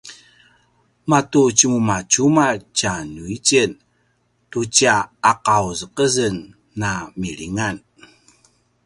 matu tjemumatjumalj tjanuitjen tu tja aqauzeqezen a milingan